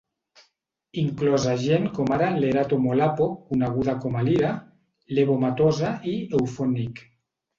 Inclosa gent com ara Lerato Molapo, coneguda com a Lira, Lebo Mathosa i Euphonik.